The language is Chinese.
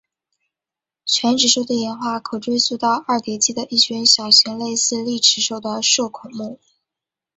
犬齿兽的演化可追溯到二叠纪的一群小型类似丽齿兽的兽孔目。